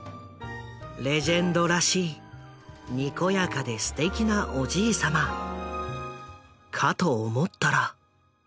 レジェンドらしいにこやかですてきなおじいさまかと思ったら。